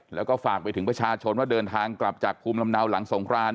แล้วก็ฝากไปถึงประชาชนว่าเดินทางกลับจากภูมิลำเนาหลังสงคราน